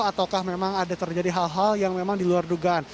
ataukah memang ada terjadi hal hal yang memang diluar dugaan